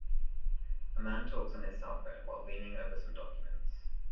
A man talks on his cellphone while leaning over some documents.